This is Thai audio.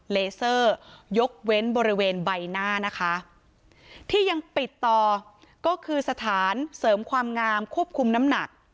เลเซอร์ยกเว้นบริเวณใบหน้านะคะที่ยังปิดต่อก็คือสถานเสริมความงามควบคุมน้ำหนัก